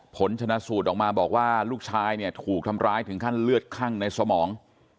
ผลชนะสูตรออกมาบอกว่าลูกชายเนี่ยถูกทำร้ายถึงขั้นเลือดคั่งในสมอง